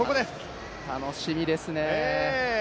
楽しみですね。